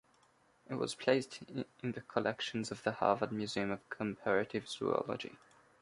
It was placed in the collections of the Harvard Museum of Comparative Zoology.